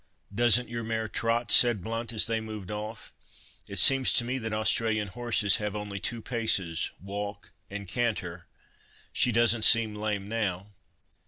"Doesn't your mare trot?" said Blount, as they moved off, "it seems to me that Australian horses have only two paces, walk and canter. She doesn't seem lame now."